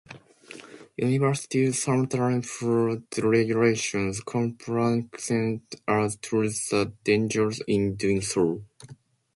Universities sometimes flout regulations, complacent as to the dangers in doing so.